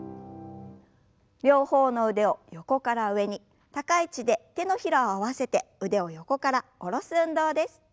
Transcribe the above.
両方の腕を横から上に高い位置で手のひらを合わせて腕を横から下ろす運動です。